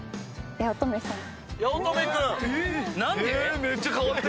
八乙女さんの。